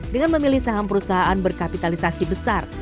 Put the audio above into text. dengan memilih saham perusahaan berkapitalisasi besar